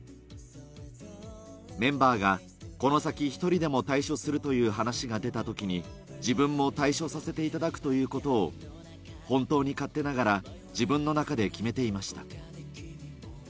メンバーがこの先、一人でも退所するとする話が出たときに、自分も退所させていただくということを、本当に勝手ながら、自分の中で決めていました。